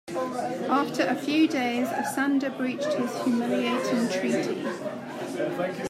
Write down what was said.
After a few days Asander breached this humiliating treaty.